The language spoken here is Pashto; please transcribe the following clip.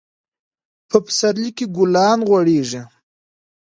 په پسرلي کي ګلان غوړيږي.